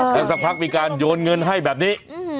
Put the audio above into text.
แล้วสักพักมีการโยนเงินให้แบบนี้